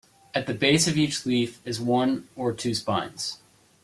At the base of each leaf is one or two spines.